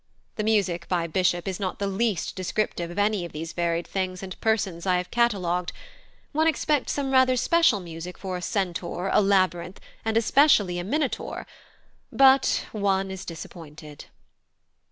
The music by Bishop is not in the least descriptive of any of these varied things and persons I have catalogued; one expects some rather special music for a Centaur, a Labyrinth, and especially a Minotaur, but one is disappointed.